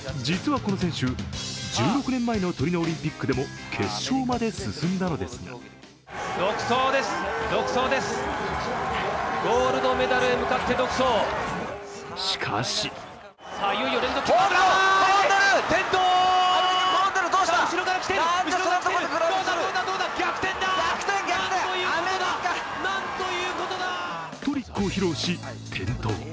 実はこの選手、１６年前のトリノオリンピックでも決勝まで進んだのですがしかしトリックを披露し、転倒。